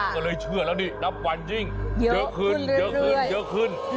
ก็เลยเชื่อแล้วนี่นำวันยิ่งเยอะขึ้น